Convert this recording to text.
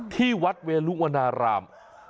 ที่วัดเวลุวนาราม